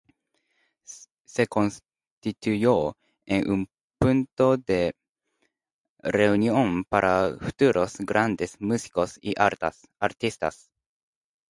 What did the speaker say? Se constituyó en un punto de reunión para futuros grandes músicos y artistas.